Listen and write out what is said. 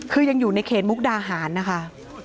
คือยังอยู่ในเขตมุกดาหารนะคะ